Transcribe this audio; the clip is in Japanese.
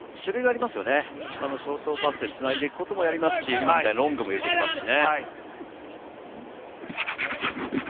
ショートパスでつないでいくこともやりますし、今みたいなロングもやりますね。